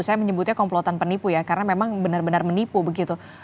saya menyebutnya komplotan penipu ya karena memang benar benar menipu begitu